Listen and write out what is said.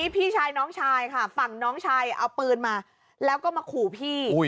พี่ชายน้องชายค่ะฝั่งน้องชายเอาปืนมาแล้วก็มาขู่พี่